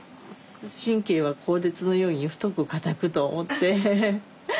神経は鋼鉄のように太く硬くと思って。